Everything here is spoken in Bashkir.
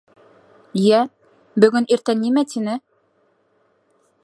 Йә, бөгөн иртән нимә тине?